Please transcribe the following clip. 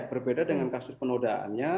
berbeda dengan kasus penodaannya